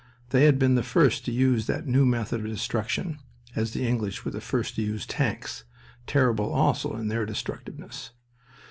They had been the first to use that new method of destruction, as the English were the first to use tanks, terrible also in their destructiveness.